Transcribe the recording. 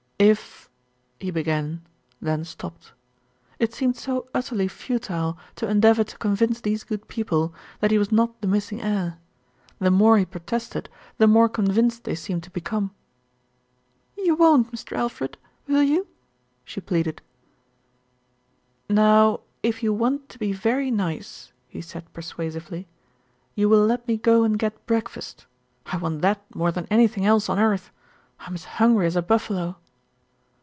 "If " he began, then stopped. It seemed so utterly futile to endeavour to convince these good people that WHAT THE BUTLER TOLD 55 he was not the missing heir. The more he protested the more convinced they seemed to become. "You won't, Mr. Alfred, will you?" she pleaded. "Now, if you want to be very nice," he said per suasively, "you will let me go and get breakfast. I want that more than anything else on earth. I'm as hungry as a buffalo."